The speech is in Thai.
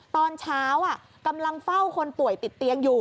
ตอนเช้ากำลังเฝ้าคนป่วยติดเตียงอยู่